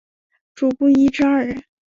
主薄一至二人。